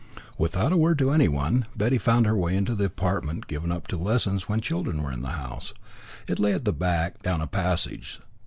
Without a word to anyone, Betty found her way to the apartment given up to lessons when children were in the house. It lay at the back, down a passage.